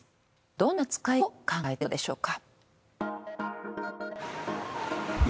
どんな使い方を考えているのでしょうか。